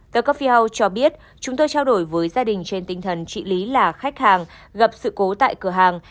the coffee house cho biết chúng tôi trao đổi với gia đình trên tinh thần chị lý là khách hàng gặp sự cố tại cửa hàng